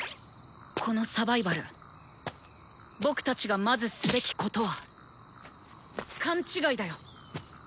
このサバイバル僕たちがまずすべきことは勘違いだよ。